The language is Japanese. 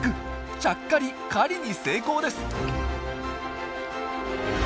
ちゃっかり狩りに成功です！